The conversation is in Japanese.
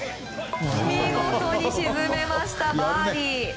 見事に沈めました、バーディー。